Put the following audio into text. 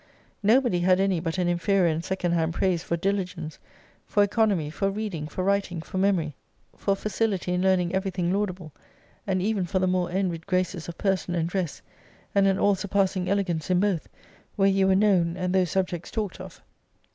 Nobody had any but an inferior and second hand praise for diligence, for economy, for reading, for writing, for memory, for facility in learning every thing laudable, and even for the more envied graces of person and dress, and an all surpassing elegance in both, where you were known, and those subjects talked of.